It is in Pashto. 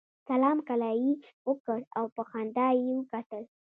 سلام کلام یې وکړ او په خندا یې وکتل.